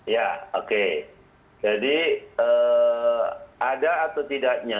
ya oke jadi ada atau tidaknya